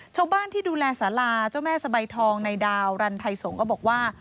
ชาวบ้านที่ดูแลสาราเจ้าแม่สะใบทองในดาวรันไทยสงฆ์ก็บอกว่า